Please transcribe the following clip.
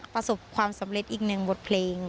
ประสบความสำเร็จอีกหนึ่งบทเพลง